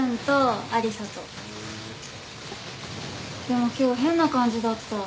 でも今日変な感じだった。